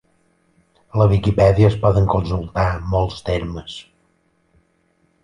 A la Viquipèdia es poden consultar molts termes.